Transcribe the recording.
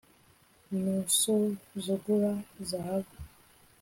nusuzugura zahabu